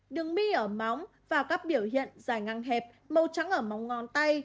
đường mi ở móng và các biểu hiện dài ngang hẹp màu trắng ở móng ngón tay